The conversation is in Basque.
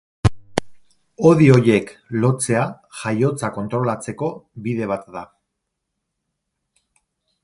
Hodi horiek lotzea jaiotza kontrolatzeko bide bat da.